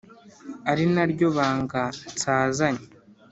Ari naryo banga nsazanye